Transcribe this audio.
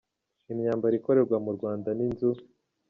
Imyambaro ikorerwa mu Rwanda n’inzu.